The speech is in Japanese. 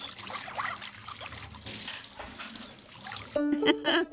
ウフフフ。